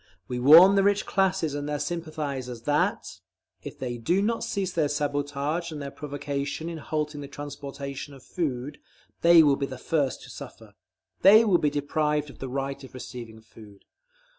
We warn the rich classes and their sympathisers that, if they do not cease their sabotage and their provocation in halting the transportation of food, they will be the first to suffer. They will be deprived of the right of receiving food.